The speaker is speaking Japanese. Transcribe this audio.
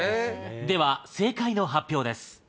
では正解の発表です。